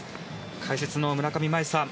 解説の村上茉愛さん